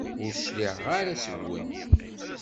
Ur cliɛeɣ ara seg-wen.